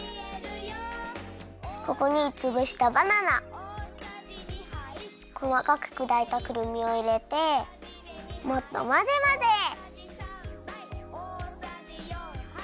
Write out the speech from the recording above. ここにつぶしたバナナこまかくくだいたくるみをいれてもっとまぜまぜ。